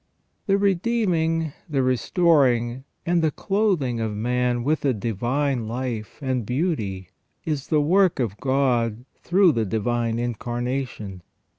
The redeeming, the restoring, and the clothing of man with a divine life and beauty is the work of God through the Divine Incarnation.